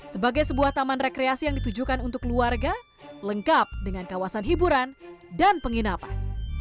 sebagai sebuah taman rekreasi yang ditujukan untuk keluarga lengkap dengan kawasan hiburan dan penginapan